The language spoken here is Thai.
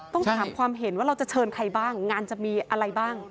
ต้องถามความเห็นว่าเราจะเชิญใครบ้างงานจะมีอะไรบ้าง